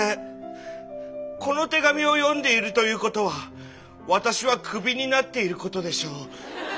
この手紙を読んでいるということは私はクビになっていることでしょう。